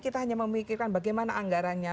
kita hanya memikirkan bagaimana anggarannya